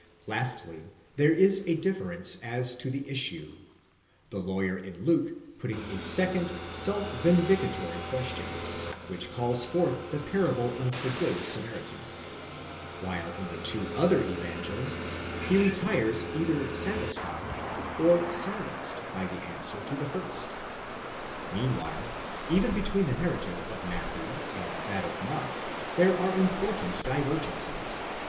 Lastly, there is a difference as to the issue, the lawyer in Luke putting a second, self vindicatory, question, which calls forth the parable of the good Samaritan; while in the two other Evangelists, he retires either satisfied, or silenced by the answer to the first. Meanwhile, even between the narrative of Matthew and that of Mark, there are important divergencies.